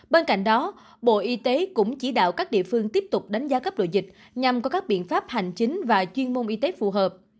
bên cạnh đó bộ y tế cũng chỉ đạo các địa phương tiếp tục đánh giá cấp độ dịch nhằm có các biện pháp hành chính và chuyên môn y tế phù hợp